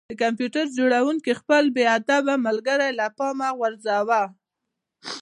د کمپیوټر جوړونکي خپل بې ادبه ملګری له پامه وغورځاوه